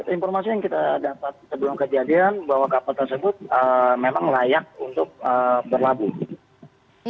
informasi yang kita dapat sebelum kejadian bahwa kapal tersebut memang layak untuk berlabuh